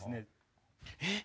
えっ！